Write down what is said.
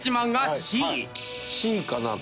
Ｃかなと。